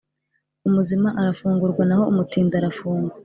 Umuzima arafungurwa naho umutindi arafungwa